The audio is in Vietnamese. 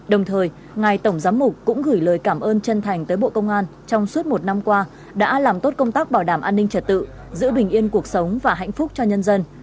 đồng thời ngài tổng giám mục cũng gửi lời cảm ơn chân thành tới bộ công an trong suốt một năm qua đã làm tốt công tác bảo đảm an ninh trật tự giữ bình yên cuộc sống và hạnh phúc cho nhân dân